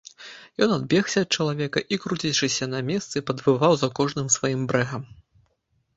Ён адбегся ад чалавека і, круцячыся на месцы, падвываў за кожным сваім брэхам.